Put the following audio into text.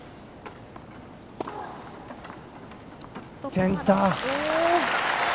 センター！